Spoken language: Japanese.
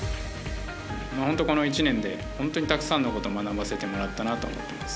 本当にこの１年でたくさんのことを学ばせてもらったなと思ってます。